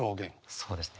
そうですね